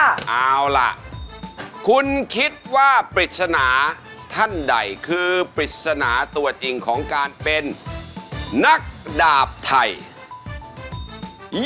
เอาล่ะคุณคิดว่าปริศนาท่านใดคือปริศนาตัวจริงของการเป็นนักดาบไทย